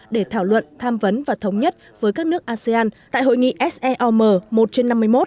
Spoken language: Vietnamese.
để thảo luận tham vấn và thống nhất với các nước asean tại hội nghị seom một trên năm mươi một